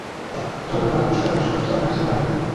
জর্দানের রাজা রাষ্ট্র ও সশস্ত্র সেনাবাহিনীর প্রধান।